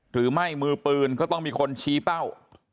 มือปืนก็ต้องมีคนชี้เป้า